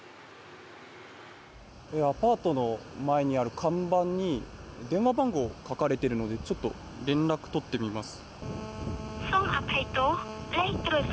アパートの前にある看板に電話番号が書かれているのでちょっと、連絡を取ってみます。